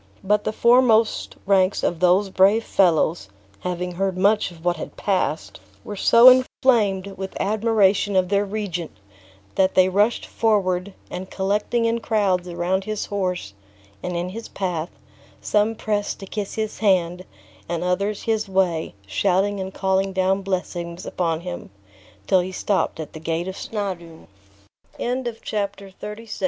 But the foremost ranks of those brave fellows, having heard much of what had passed, were so inflamed with admiration of their regent, that they rushed forward, and collecting in crowds around his horse, and in his path, some pressed to kiss his hand, and others his way, shouting and calling down blessings upon him, till he stopped at the gate of Snawdoun. Chapter XXXVII.